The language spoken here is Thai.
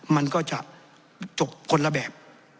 มันก็จะจบคนละแบบ